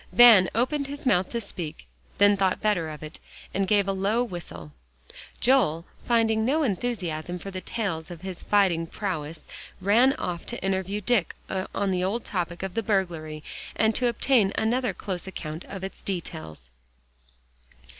Van opened his mouth to speak, then thought better of it, and gave a low whistle. Joel, finding no enthusiasm for tales of his fighting prowess, ran off to interview Dick on the old topic of the burglary and to obtain another close account of its details.